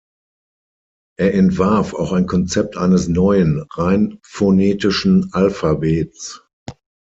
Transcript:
Er entwarf auch ein Konzept eines neuen, rein phonetischen Alphabets.